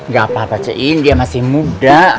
gak apa apa cein dia masih muda